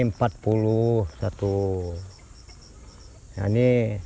nah ini tiga puluh satu